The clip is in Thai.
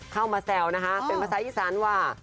เข้ามาแซวนะคะเป็นภาษาอีสานว่า